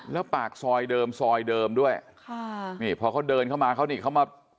แล้วปากซอยเดิมซอยเดิมด้วยค่ะนี่พอเขาเดินเข้ามาเขานี่เขามา